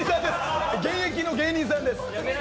現役の芸人さんです。